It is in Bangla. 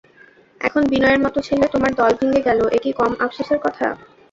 এখন বিনয়ের মতো ছেলে তোমার দল ভেঙে গেল এ কি কম আপসোসের কথা!